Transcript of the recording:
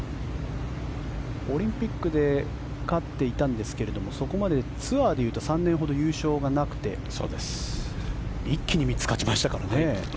オリンピックで勝っていたんですけれどもそこまでツアーで言うと３年ほど優勝がなくて一気に３つ勝ちましたからね。